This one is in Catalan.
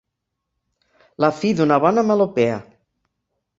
La fi d'una bona melopea.